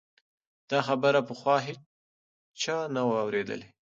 دا خبره پخوا هیچا نه وه اورېدلې.